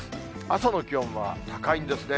朝の気温は高いんですね。